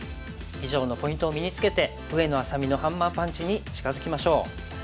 以上のポイントを身につけて上野愛咲美のハンマーパンチに近づきましょう。